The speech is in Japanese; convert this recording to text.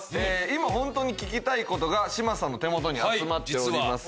今ホントに聞きたいことが嶋佐の手元に集まっております。